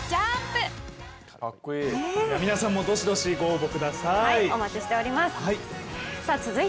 皆さんもどしどしご応募ください。